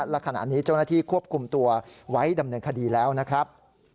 และขณะนี้เจ้าหน้าที่ควบคุมตัวไว้ดำเนินคดีแล้วนะครับ